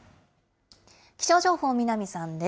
気象情報、南さんです。